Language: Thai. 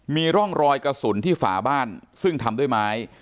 มีร่องรอยกระสุนที่ฝาบ้านซึ่งทำด้วยไม้